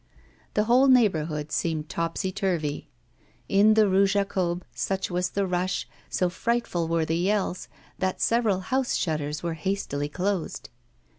The whole neighbourhood seemed topsy turvy. In the Rue Jacob, such was the rush, so frightful were the yells, that several house shutters were hastily closed.